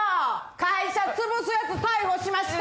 会社潰すやつ逮捕しました。